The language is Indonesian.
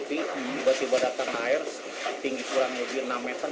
tiba tiba datang air tinggi kurang lebih enam meter